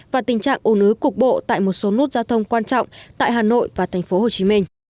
và tình trạng ổn ứ cục bộ tại một số nút giao thông quan trọng tại hà nội và tp hcm